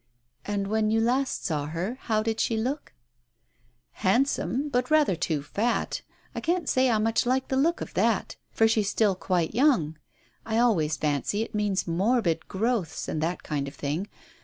" And when you last saw her, how did she look ?" "Handsome, but rather too fat. I can't say I much liked the look of that, for she's still quite young. I always fancy it means morbid growths, and that kind of thing.